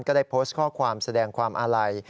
ก็ได้โพสต์ข้อความแสดงความอาลัย